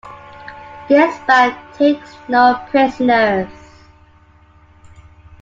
This Band Takes No Prisoners.